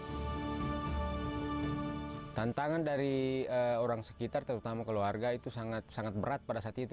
tantangan dari orang sekitar terutama keluarga itu sangat sangat berat pada saat itu